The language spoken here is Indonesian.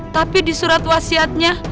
tapi di surat wasiatnya